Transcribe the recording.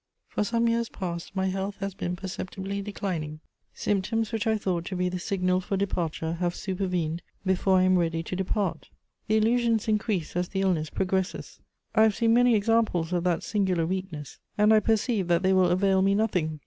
"For some years past my health has been perceptibly declining. Symptoms which I thought to be the signal for departure have supervened before I am ready to depart. The illusions increase as the illness progresses. I have seen many examples of that singular weakness, and I perceive that they will avail me nothing.